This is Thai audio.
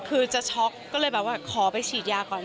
คือจะช็อกก็เลยแบบว่าขอไปฉีดยาก่อน